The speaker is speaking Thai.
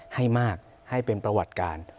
ให้มากให้เป็นประวัติการ